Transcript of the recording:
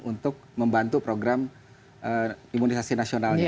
untuk membantu program imunisasi nasionalnya